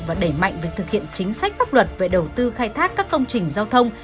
và đẩy mạnh việc thực hiện chính sách pháp luật về đầu tư khai thác các công trình giao thông